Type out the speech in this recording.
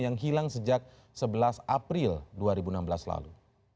yang hilang sejak sebelas april dua ribu enam belas lalu